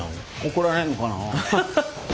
怒られんのかな？